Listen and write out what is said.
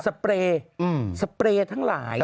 เปรย์สเปรย์ทั้งหลาย